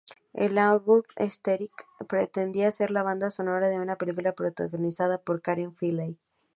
El álmbum"Heretic" pretendía ser la banda sonora de una película protagonizada por Karen Finley.